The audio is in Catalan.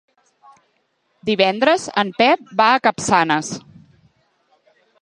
Divendres en Pep va a Capçanes.